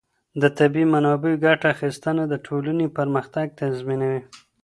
د طبیعي منابعو ګټه اخیستنه د ټولنې پرمختګ تضمینوي.